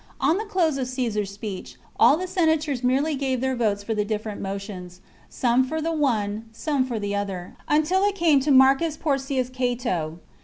~ On the close of Caesar's speech, all the senators chap. merely gave their votes for the different motions, some for the one, some for the other, until it came to Marcus Porcius Cato.